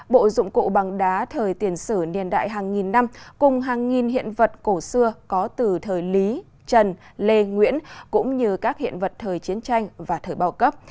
bộ dụng cụ bằng đá thời tiền sử niên đại hàng nghìn năm cùng hàng nghìn hiện vật cổ xưa có từ thời lý trần lê nguyễn cũng như các hiện vật thời chiến tranh và thời bao cấp